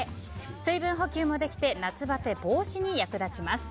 水分補給もできて夏バテ防止に役立ちます。